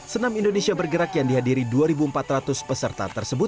senam indonesia bergerak yang dihadiri dua empat ratus peserta tersebut